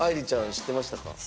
知ってましたか？